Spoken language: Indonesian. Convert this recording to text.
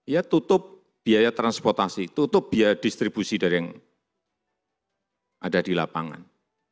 ya tutup biaya transportasi tutup biaya distribusi dari yang ada di lapangan